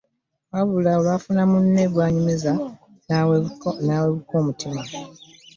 Wabula olwafuna munne gwanyumiza nawewuka omutima .